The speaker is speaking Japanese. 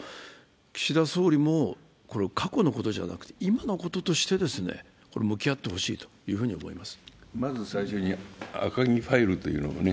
岸田総理もこれを過去のことではなくて今のこととして向き合ってほしいと思います。